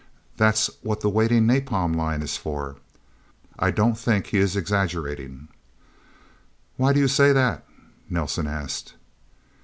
That's what the waiting napalm line is for. I don't think he is exaggerating." "Why do you say that?" Nelsen asked.